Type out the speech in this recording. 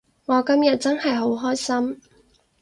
我今日真係好開心